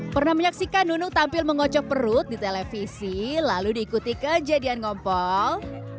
pernah menyaksikan nunung tampil mengocok perut di televisi lalu diikuti kejadian ngompol